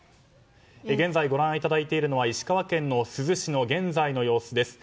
現在ご覧いただいているのは石川県珠洲市の現在の様子です。